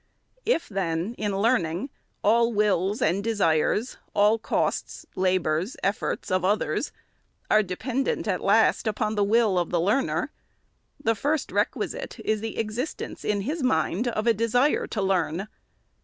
If then, in learning, all wills and desires, all costs, labors, efforts, of others, are dependent, at last, upon the will of the learner, the first requisite is the existence in his mind of a desire to learn.